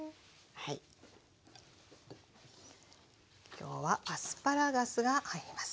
今日はアスパラガスが入ります。